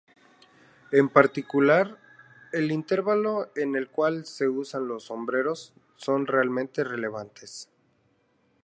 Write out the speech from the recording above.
En particular, el intervalo en el cual se usan los sombreros son altamente relevantes.